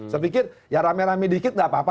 saya pikir ya rame rame dikit gak apa apa